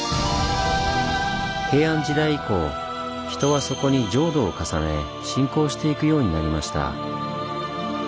平安時代以降人はそこに浄土を重ね信仰していくようになりました。